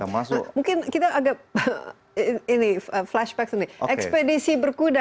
mungkin kita agak flashback ekspedisi berkuda